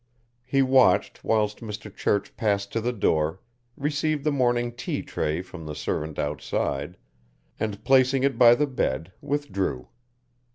He watched whilst Mr. Church passed to the door, received the morning tea tray from the servant outside, and, placing it by the bed, withdrew.